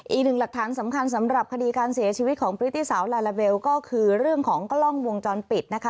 อีกหนึ่งหลักฐานสำคัญสำหรับคดีการเสียชีวิตของพฤติสาวลาลาเบลก็คือเรื่องของกล้องวงจรปิดนะคะ